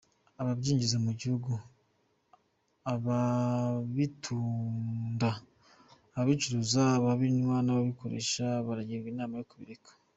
Ababyinjiza mu gihugu, ababitunda, ababicuruza, ababinywa n’ababikoresha baragirwa inama yo kubireka.